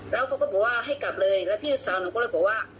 แล้วเขาก็บอกว่าให้กลับเลยแล้วพี่สาวหนูก็เลยบอกว่า